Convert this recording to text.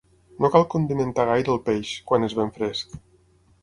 No cal condimentar gaire el peix, quan és ben fresc.